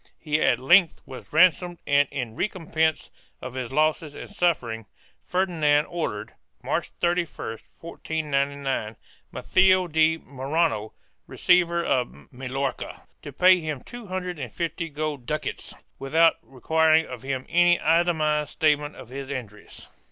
He at length was ran somed and, in recompense of his losses and sufferings, Ferdinand ordered, March 31, 1499, Matheo de Morrano receiver of Mallorca to pay him two hundred and fifty gold ducats without requiring of him any itemized statement of his injuries.